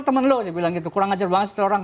temen lo kurang ajar banget setelah orang